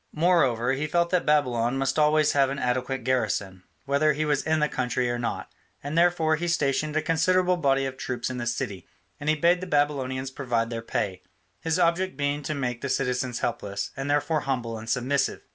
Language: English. Moreover, he felt that Babylon must always have an adequate garrison, whether he was in the country or not, and therefore he stationed a considerable body of troops in the city; and he bade the Babylonians provide their pay, his object being to make the citizens helpless, and therefore humble and submissive.